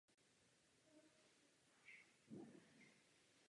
Většina obyvatelstva se hlásí k evangelické církvi.